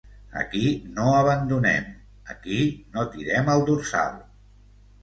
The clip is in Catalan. Aquí no abandonem, aquí no tirem el dorsal.